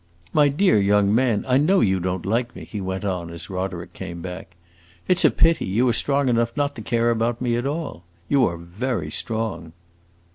My dear young man, I know you don't like me," he went on, as Roderick came back. "It 's a pity; you are strong enough not to care about me at all. You are very strong."